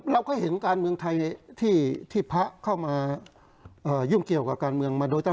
ไม่เราก็เห็นการเมืองไทยที่ภาคนิคเข้ามายุ่งเกี่ยวกับการเมืองมาโดยตลอดอยู่แล้ว